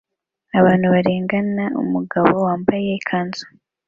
Abantu barengana umugabo wambaye ikanzu